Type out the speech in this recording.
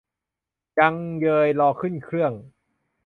ยังเยย รอขึ้นเครื่อง